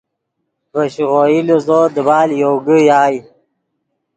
ڤے شیغوئی لیزو دیبال یوگے یائے